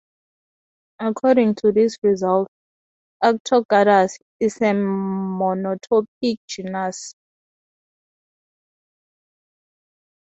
According to this result, "Arctogadus" is a monotypic genus.